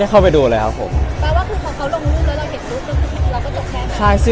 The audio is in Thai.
เราเต็มว่ามั้ย